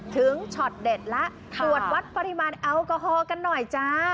ช็อตเด็ดแล้วตรวจวัดปริมาณแอลกอฮอลกันหน่อยจ้า